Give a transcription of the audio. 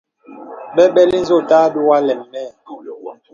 Bəbələ nzə wò òtà àdógā lēm mə.